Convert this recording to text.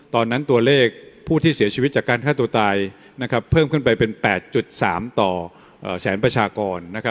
ตัวเลขผู้ที่เสียชีวิตจากการฆ่าตัวตายเพิ่มขึ้นไปเป็น๘๓ต่อแสนประชากร